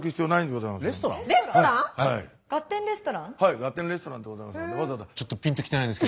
はいガッテンレストランでございます。